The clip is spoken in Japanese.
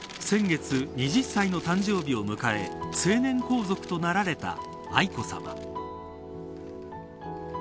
先月２０歳の誕生日を迎え成年皇族となられた愛子さま。